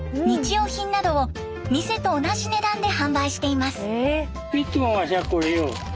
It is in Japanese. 用品などを店と同じ値段で販売しています。